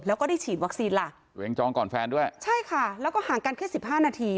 แล้วก็ได้ฉีดวัคซีนล่ะตัวเองจองก่อนแฟนด้วยใช่ค่ะแล้วก็ห่างกันแค่สิบห้านาที